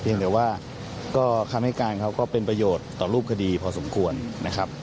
ยังแต่ว่าก็คำให้การเขาก็เป็นประโยชน์ต่อรูปคดีพอสมควรนะครับ